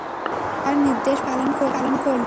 দাস তার নির্দেশ পালন করল।